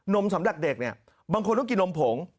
มสำหรับเด็กเนี่ยบางคนต้องกินนมผง